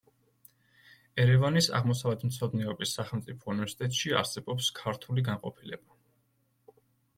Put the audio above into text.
ერევანის აღმოსავლეთმცოდნეობის სახელმწიფო უნივერსიტეტში არსებობს ქურთული განყოფილება.